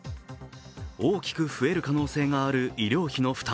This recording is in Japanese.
大きく増える可能性がある医療費の負担。